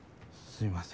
すみません。